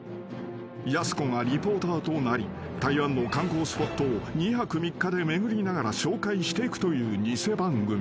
やす子がリポーターとなり台湾の観光スポットを２泊３日で巡りながら紹介していくという偽番組］